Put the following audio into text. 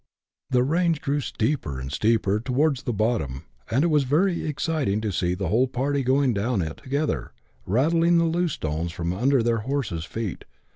The range grew steeper and steeper towards the bottom, and it was very exciting to see the whole party going down it toge ther, rattling the loose stones from under their horses' feet, H 2 100 BUSH LIFE IN AUSTRALIA. [chap. ix.